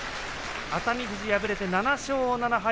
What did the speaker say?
熱海富士敗れて７勝７敗